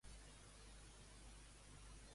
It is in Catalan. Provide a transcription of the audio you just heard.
Segueix ben viu el nazisme, encara que maquillat.